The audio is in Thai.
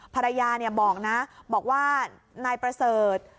ภรรยาบอกนะบอกว่านายประเสริฐ